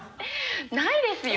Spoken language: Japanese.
ないですよ。